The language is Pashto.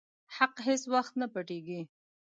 حق هيڅ وخت نه پټيږي.